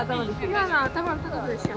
今の頭の高さでしたよ。